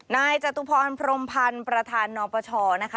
จตุพรพรมพันธ์ประธานนปชนะคะ